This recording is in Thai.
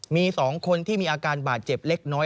มี๒คนที่มีอาการบาดเจ็บเล็กน้อย